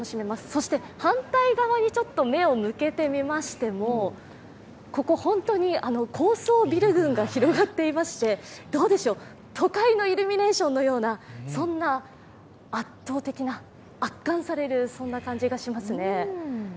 そして、反対側に目を向けてみましても、ここ、本当に高層ビル群が広がっていまして都会のイルミネーションのようなそんな圧倒的な、圧巻される感じがしますね。